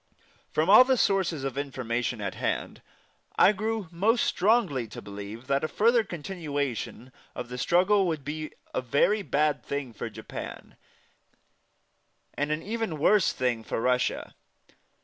From all the sources of information at hand, I grew most strongly to believe that a further continuation of the struggle would be a very bad thing for Japan, and an even worse thing for Russia.